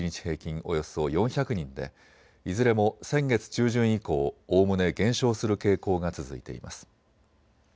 およそ４００人でいずれも先月中旬以降、おおむね減少する傾向が続いています。